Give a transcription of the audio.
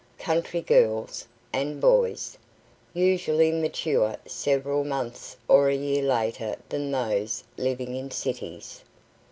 Country girls (and boys) usually mature several months or a year later than those living in cities.